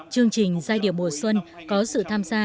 chương trình giai điệu mùa xuân có sự tham gia